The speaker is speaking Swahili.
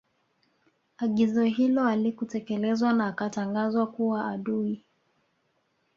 Agizo hilo halikutekelezwa na Akatangazwa kuwa adui